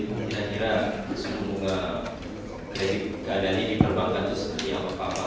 kira kira seumurnya kredit keadaan ini berbangkat seperti apa pak